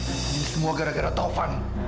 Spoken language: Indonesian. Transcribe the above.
ini semua gara gara tovan